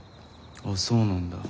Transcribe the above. あっそうなんだ。